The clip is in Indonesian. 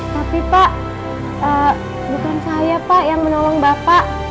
tapi pak bukan saya pak yang menolong bapak